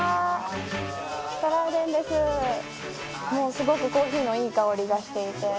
すごくコーヒーのいい香りがしていて。